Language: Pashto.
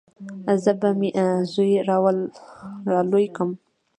زه به مې زوى رالوى کم.